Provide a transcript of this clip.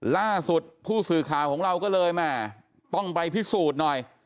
ล่าสุดผู้สื่อข่าวของเราก็เลยแหม่ต้องไปพิสูจน์หน่อย